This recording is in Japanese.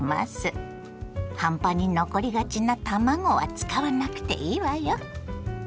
半端に残りがちな卵は使わなくていいわよ。